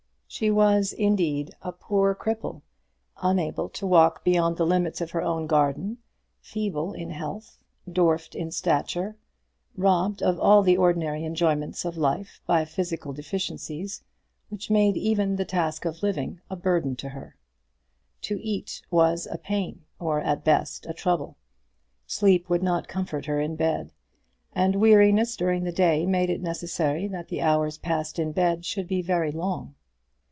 She was, indeed, a poor cripple, unable to walk beyond the limits of her own garden, feeble in health, dwarfed in stature, robbed of all the ordinary enjoyments of life by physical deficiencies, which made even the task of living a burden to her. To eat was a pain, or at best a trouble. Sleep would not comfort her in bed, and weariness during the day made it necessary that the hours passed in bed should be very long.